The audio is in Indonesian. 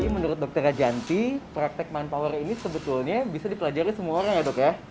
menurut dokter rajanti praktek manpower ini sebetulnya bisa dipelajari semua orang ya dok ya